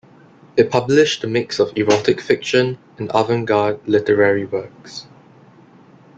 It published a mix of erotic fiction and avant-garde literary works.